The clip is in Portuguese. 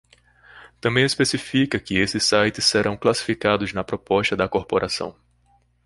Também especifica que esses sites serão classificados na proposta da corporação.